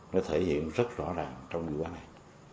nó thể hiện rất rõ ràng trong vụ này